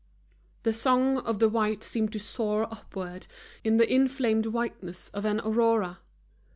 The song of the white seemed to soar upward in the inflamed whiteness of an aurora.